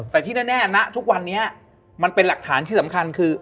แต่ที่แน่นะทุกวันนี้มันเป็นหลักฐานที่สำคัญคือ